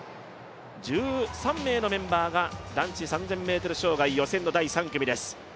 １３名のメンバーが男子３０００ｍ障害の予選３組です。